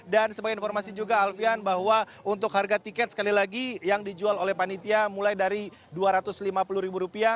dan sebagai informasi juga alfian bahwa untuk harga tiket sekali lagi yang dijual oleh panitia mulai dari dua ratus lima puluh rupiah